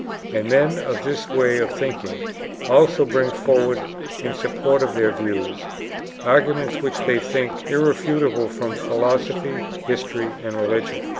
And men of this way of thinking also bring forward in support of their views arguments which they think irrefutable from philosophy, history, and religion.